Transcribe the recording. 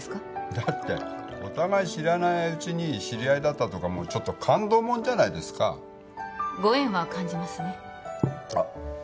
だってお互い知らないうちに知り合いだったとかちょっと感動もんじゃないですかご縁は感じますねあっ